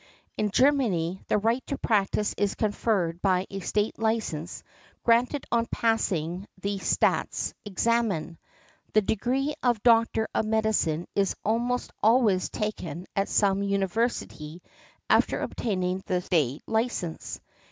In Germany, the right to practise is conferred by a state licence granted on passing the staats examen: the degree of doctor of medicine is almost always taken at some university after obtaining the state license.